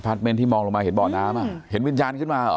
อพาร์ทเม้นที่มองลงมาเห็นบ่อน้ำอ่ะเห็นวิญญาณขึ้นมาอ่ะ